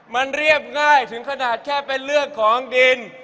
มันเรียบง่ายถึงขนาดแค่เป็นเรื่องของดิน